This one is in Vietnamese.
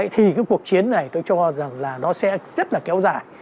thì cái cuộc chiến này tôi cho rằng là nó sẽ rất là kéo dài